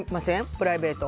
プライベート。